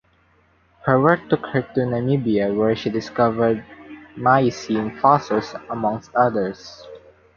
Her work took her to Namibia where she discovered Miocene fossils amongst others.